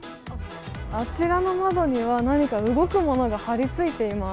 あちらの窓には、何か動くものが貼り付いています。